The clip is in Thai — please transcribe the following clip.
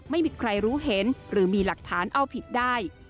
ไม่มีใครรู้เห็นหรือมีหลักฐานเอาผิดได้